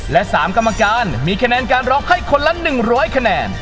และ๓กรรมการมีคะแนนการร้องให้คนละ๑๐๐คะแนน